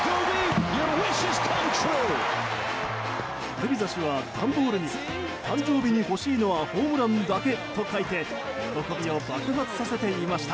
グビザ氏は、段ボールに誕生日に欲しいのはホームランだけと書いて喜びを爆発させていました。